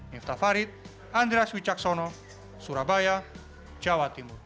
miftah farid andras wicaksono surabaya jawa timur